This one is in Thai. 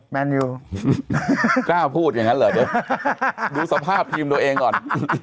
๒๐แมนวิวกล้าพูดอย่างนั้นเหรอดูสภาพทีมตัวเองก่อน